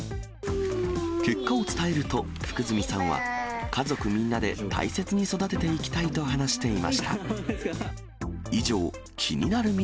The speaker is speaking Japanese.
結果を伝えると、福住さんは、家族みんなで大切に育てていきたいと話していました。